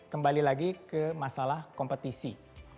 kembali lagi ke masalah kompetisi